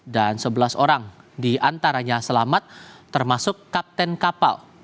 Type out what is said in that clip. dan sebelas orang di antaranya selamat termasuk kapten kapal